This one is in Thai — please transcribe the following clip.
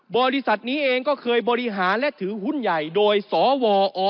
บริษัทนี้เองก็เคยบริหารและถือหุ้นใหญ่โดยสวอ